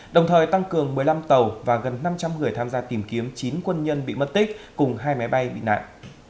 và gần năm trăm linh người tham gia tìm kiếm chín quân nhân bị mất tích cùng hai máy bay bị nạn